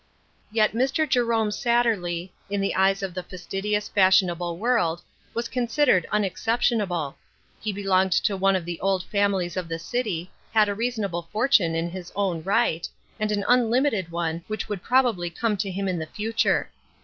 Yet Mr. Jerome Satterley, in the eyes of the fastidious, fashionable world, was considered un exceptionable. He belonged to one of the old families of the city, had a reasonable fortune in his own right, and an unlimited one which would probably come to him in the future.